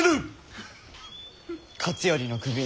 勝頼の首